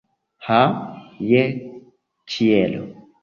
Ha, je ĉielo!